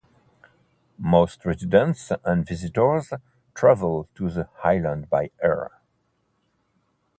Most residents and visitors travel to the island by air.